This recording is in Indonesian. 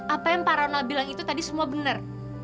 apa yang pak ronald bilang itu tadi semua benar